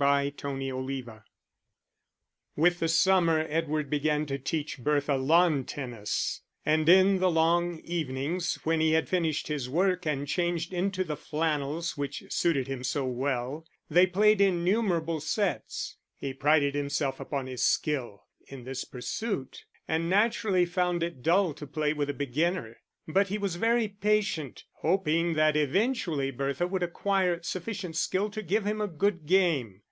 Chapter XIII With the summer Edward began to teach Bertha lawn tennis; and in the long evenings, when he had finished his work and changed into the flannels which suited him so well, they played innumerable sets. He prided himself upon his skill in this pursuit and naturally found it dull to play with a beginner; but he was very patient, hoping that eventually Bertha would acquire sufficient skill to give him a good game.